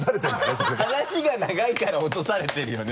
それで話が長いから落とされてるよね？